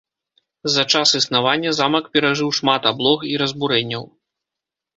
За час існавання замак перажыў шмат аблог і разбурэнняў.